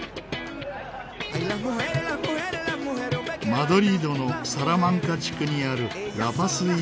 マドリードのサラマンカ地区にあるラ・パス市場。